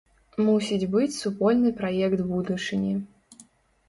Мусіць быць супольны праект будучыні.